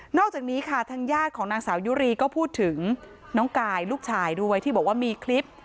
อกจากนี้ค่ะทางญาติของนางสาวยุรีก็พูดถึงน้องกายลูกชายด้วยที่บอกว่ามีคลิป